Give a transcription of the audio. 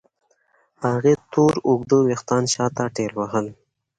هغې تور اوږده وېښتان شاته ټېلوهل.